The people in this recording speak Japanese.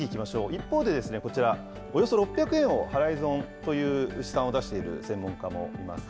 一方でこちら、およそ６００円を払い損という試算を出している専門家もいます。